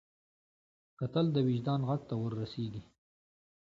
کتل د وجدان غږ ته ور رسېږي